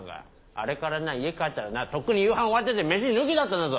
あれからな家帰ったらなとっくに夕飯終わってて飯抜きだったんだぞ！